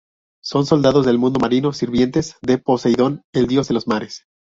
Son soldados del mundo marino sirvientes de Poseidón el dios de los mares.